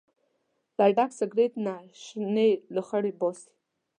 له ډک سګرټ نه شنې لوخړې باسي.